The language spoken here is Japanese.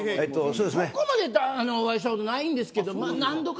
そこまでお会いしたことないんですけどＨＥＹ！